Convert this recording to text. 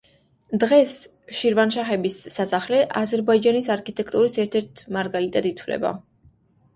დღეს შირვანშაჰების სასახლე აზერბაიჯანის არქიტექტურის ერთ-ერთ მარგალიტად ითვლება.